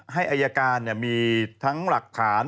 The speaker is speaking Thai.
ให้อายการมีทั้งหลักฐาน